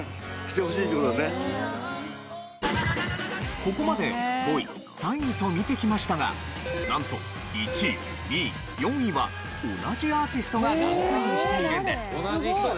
ここまで５位３位と見てきましたがなんと１位２位４位は同じアーティストがランクインしているんです。